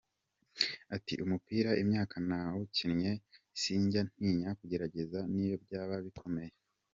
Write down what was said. Ati “Umupira imyaka nawukinnye sinjya ntinya kugerageza n’iyo byaba bikomeye.